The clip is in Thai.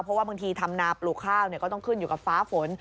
เพราะว่าบางทีทำนาปลูกข้าวก็ต้องขึ้นอยู่กับฟ้าฝน